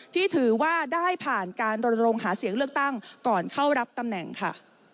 ที่ถือว่าได้ผ่านการรณรงคหาเสียงเลือกตั้งก่อนเข้ารับตำแหน่งค่ะ